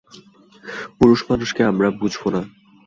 পুরুষমানুষকে আমরা বুঝব না।